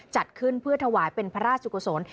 จัดขึ้นเพื่อถวายเป็นพระราชกุศล